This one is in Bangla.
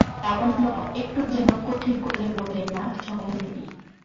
লাবণ্য একটু যেন কঠিন করে বললে, না, সময় নেই।